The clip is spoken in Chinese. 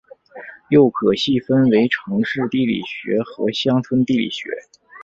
又可细分为城市地理学和乡村地理学。